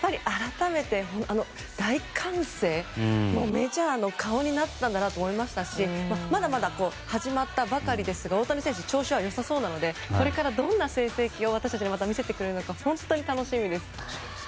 改めて、大歓声メジャーの顔になったと思いましたしまだ始まったばかりですが大谷選手、調子が良さそうなのでこれからどんな成績を私たちに見せてくれるのか本当に楽しみです。